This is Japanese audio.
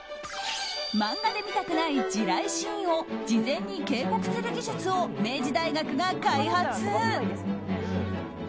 漫画で見たくない地雷シーンを事前に警告する技術を明治大学が開発。